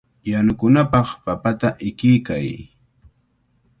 Yanukunapaq papata ikiykay.